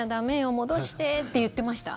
戻してって言ってました。